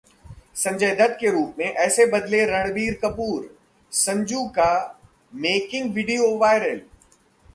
संजय दत्त के रूप में ऐसे बदले रणबीर कपूर, संजू का मेकिंग वीडियो वायरल